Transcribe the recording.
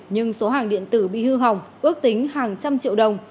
nhưng số hàng điện tử bị hư hỏng ước tính hàng trăm triệu đồng